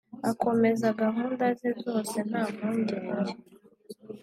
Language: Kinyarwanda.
akomeza gahunda ze zose nta mpungenge